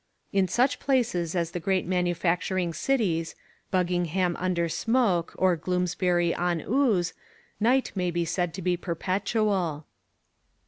In such places as the great manufacturing cities, Buggingham under Smoke, or Gloomsbury on Ooze, night may be said to be perpetual.